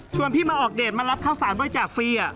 ชวนพี่มาออกเดทมารับข้าวสารด้วยจากฟรี